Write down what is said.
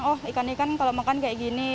oh ikan ikan kalau makan kayak gini